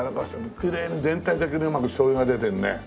きれいに全体的にうまく醤油が出てるね。